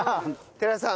寺田さん。